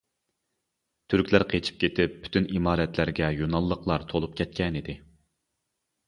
تۈركلەر قېچىپ كېتىپ پۈتۈن ئىمارەتلەرگە يۇنانلىقلار تولۇپ كەتكەنىدى.